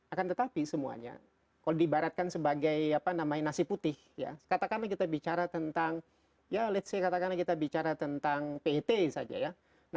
akan tetapi semuanya kalau dibaratkan sebagai apa namanya nasi putih ya katakanlah kita bicara tentang ya ⁇ lets ⁇ say katakanlah kita bicara tentang pet saja ya